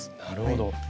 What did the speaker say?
なるほど。